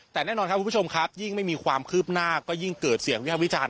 แต่แน่นอนครับคุณผู้ชมครับยิ่งไม่มีความคืบหน้าก็ยิ่งเกิดเสียงวิภาพวิจารณ